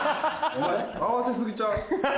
お前合わせ過ぎちゃう？